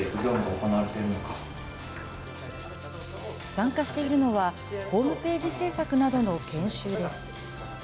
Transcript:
参加しているのは、ホームページ制作などの研修です。